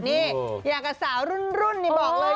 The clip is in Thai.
นี่อย่างกับสาวรุ่นนี่บอกเลย